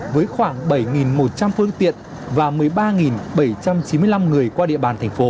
với khoảng bảy một trăm linh phương tiện và một mươi ba bảy trăm chín mươi năm người qua địa bàn thành phố